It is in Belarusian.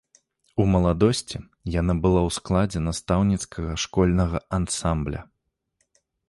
У маладосці яна была ў складзе настаўніцкага школьнага ансамбля.